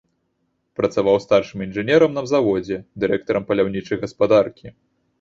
Працаваў старшым інжынерам на заводзе, дырэктарам паляўнічай гаспадаркі.